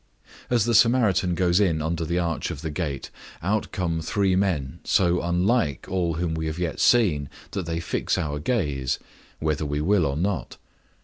As the Samaritan goes in under the arch of the gate, out come three men so unlike all whom we have yet seen that they fix our gaze, whether we will or not.